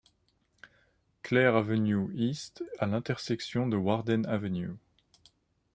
Clair Avenue East à l'intersection de Warden Avenue.